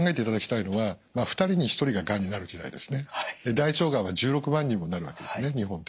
大腸がんは１６万人もなるわけですね日本って。